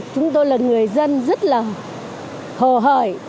chúng tôi là người dân rất là hồ hởi